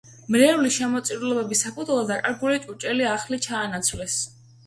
მრევლის შემოწირულობების საფუძველზე დაკარგული ჭურჭელი ახლით ჩაანაცვლეს.